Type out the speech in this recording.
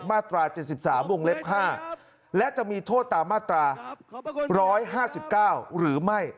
มาตราเจ็ดสิบสามวงเล็บห้าและจะมีโทษตามมาตราร้อยห้าสิบเก้าหรือไม่